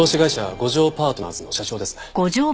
五条パートナーズの社長ですね。